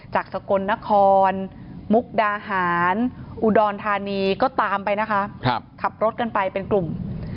สกลนครมุกดาหารอุดรธานีก็ตามไปนะคะขับรถกันไปเป็นกลุ่ม